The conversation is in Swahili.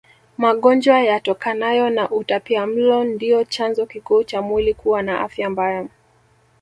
Magonjwa yatokanayo na utapiamlo ndio chanzo kikuu cha mwili kuwa na afya mbaya